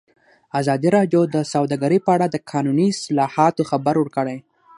ازادي راډیو د سوداګري په اړه د قانوني اصلاحاتو خبر ورکړی.